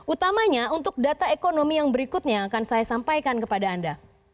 utamanya untuk data ekonomi yang berikutnya akan saya sampaikan kepada anda